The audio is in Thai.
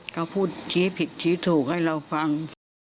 เขาพูดชี้ผิดชี้ถูกให้เราฟัง